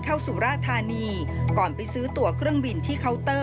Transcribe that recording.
สุราธานีก่อนไปซื้อตัวเครื่องบินที่เคาน์เตอร์